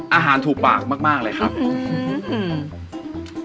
ถูกปากมากมากเลยครับอืม